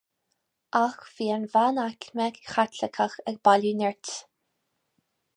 Ach bhí an mheánaicme Chaitliceach ag bailiú nirt